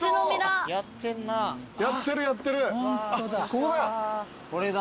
ここだ。